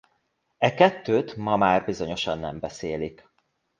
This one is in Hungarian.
E kettőt ma már bizonyosan nem beszélik.